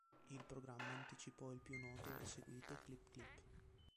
Il programma anticipò il più noto e seguito "Clip Clip".